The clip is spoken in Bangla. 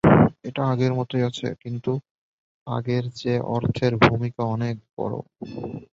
এটা আগের মতোই আছে, কিন্তু আগের চেয়ে অর্থের ভূমিকা এখন বড়।